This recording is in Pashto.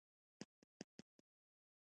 غول د هورموني بدلون نښه ده.